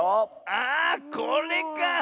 あこれか！